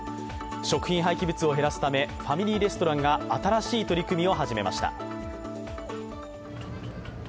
食品廃棄物を減らすためファミリーレストランが新しい取り組みを始めました。